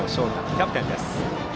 キャプテンです。